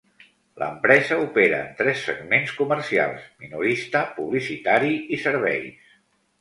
L'empresa opera en tres segments comercials: minorista, publicitari i serveis.